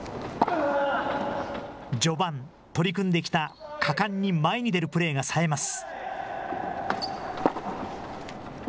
序盤、取り組んできた果敢に前に出るプレーがさえます。